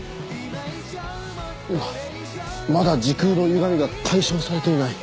うわっまだ時空のゆがみが解消されていない。